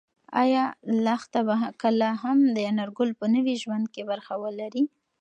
ایا لښتې به کله هم د انارګل په نوي ژوند کې برخه ولري؟